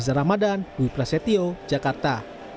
reza ramadan wipra setio jakarta